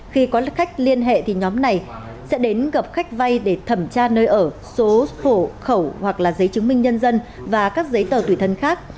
khi có khách liên hệ thì nhóm này sẽ đến gặp khách vay để thẩm tra nơi ở số khổ khẩu hoặc là giấy chứng minh nhân dân và các giấy tờ tùy thân khác